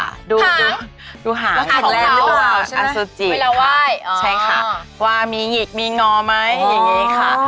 หางแล้วเขาอ่านแล้วใช่ไหมอสุจิค่ะใช่ค่ะว่ามีหยิกมีงอไหมอย่างนี้ค่ะ